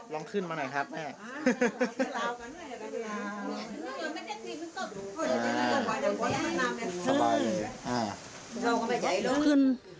ลองขึ้นมาหน่อยครับแม่